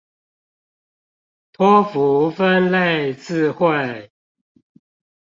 托福分類字彙